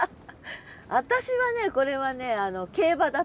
私はねこれはね競馬だと思う。